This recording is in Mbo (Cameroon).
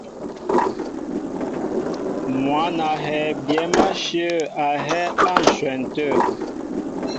Mwǎn a hɛɛ byɛ̌m áshyə̂ a hɛ́ á ǹshwɛn tê ŋgeŋ.